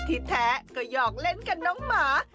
ที่แท้ก็หยอกเล่นกับน้องหมา